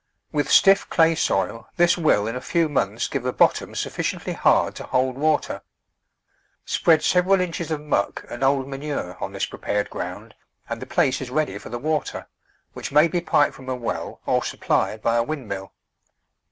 With stiff clay soil this will in a few months give a bottom suffi ciently hard to hold water. Spread several inches of muck and old manure on this prepared ground and the place is ready for the water, which may be piped 165 Digitized by Google 166 The Flower Garden [Chapter from a well or supplied by a wind mill.